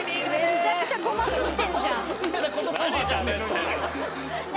めちゃくちゃごますってんじゃん。